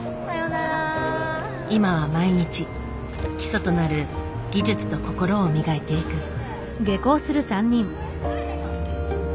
今は毎日基礎となる技術と心を磨いていく。